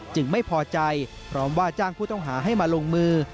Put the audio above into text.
ไม่พอใจพร้อมว่าจ้างผู้ต้องหาให้มาลงมือ